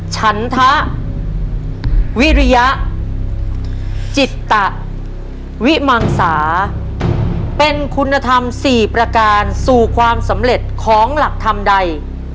ฉันทะวิริยจิตวิมังสาเป็นคุณธรรม๔ประการสู่ความสำเร็จของหลักธรรมใด